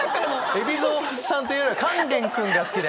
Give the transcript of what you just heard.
海老蔵さんというよりは勸玄くんが好きで？